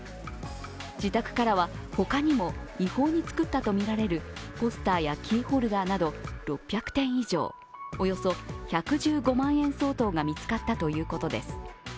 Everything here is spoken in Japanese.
自宅からは他にも違法に作ったとみられるポスターやキーホルダーなど６００点以上、およそ１１５万円相当が見つかったということです。